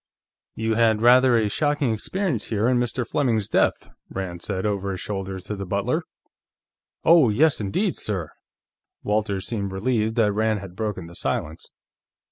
"You had rather a shocking experience here, in Mr. Fleming's death," Rand said, over his shoulder, to the butler. "Oh, yes indeed, sir!" Walters seemed relieved that Rand had broken the silence.